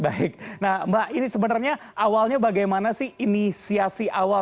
baik nah mbak ini sebenarnya awalnya bagaimana sih inisiasi awal